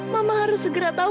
mama harus segera tahu